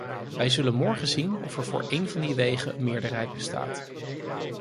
Wij zullen morgen zien of er voor één van die wegen een meerderheid bestaat.